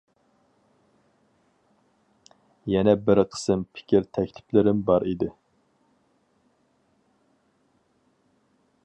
يەنە بىر قىسىم پىكىر-تەكلىپلىرىم بار ئىدى.